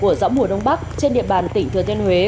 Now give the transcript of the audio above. của gió mùa đông bắc trên địa bàn tỉnh thừa thiên huế